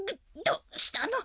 どうしたの？